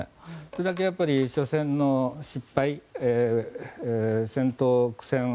それだけ初戦の失敗戦闘苦戦